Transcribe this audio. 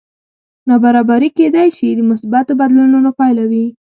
نابرابري کېدی شي د مثبتو بدلونونو پایله وي